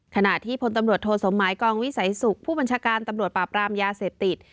ขณะที่พลตำรวจโทสมหมายกองวิสัยสุขผู้บัญชาการตำรวจปราบรามยาเสพติด